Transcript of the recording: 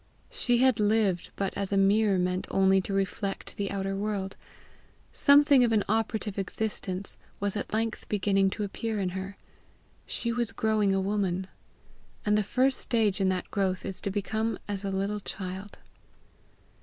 She had lived but as a mirror meant only to reflect the outer world: something of an operative existence was at length beginning to appear in her. She was growing a woman. And the first stage in that growth is to become as a little child.